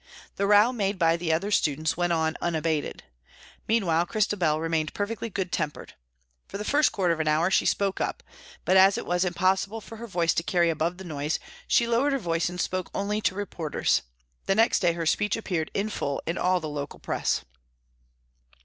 The row made by the other students went on unabated. Meanwhile, Christabel remained perfectly good tempered. For the first quarter of an hour she spoke up, but as it was impossible for her voice to carry above the noise she lowered her voice and spoke only to reporters. The next day her speech appeared in full in all the local press.